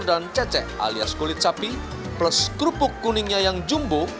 dan cecek alias kulit sapi plus kerupuk kuningnya yang jumbo